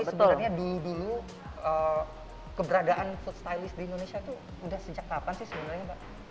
sebenarnya dulu dulu keberadaan food stylist di indonesia itu sudah sejak kapan sih sebenarnya mbak